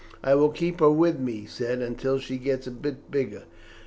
"I will keep her with me," he said, "until she gets a bit bigger.